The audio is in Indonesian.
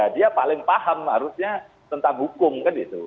dia paling paham harusnya tentang hukum kan itu